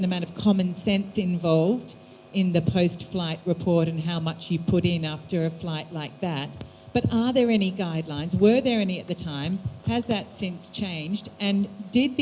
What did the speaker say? saya berpikir anda akan memiliki jumlah yang berbeda dalam laporan penerbangan penerbangan penerbangan penerbangan dan berapa banyak yang anda letakkan setelah penerbangan seperti itu